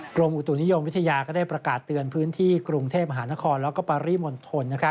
กรมอุตุนิยมวิทยาก็ได้ประกาศเตือนพื้นที่กรุงเทพมหานครแล้วก็ปริมณฑล